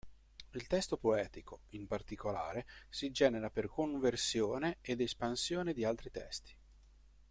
Il testo poetico, in particolare, si genera per conversione ed espansione di altri testi.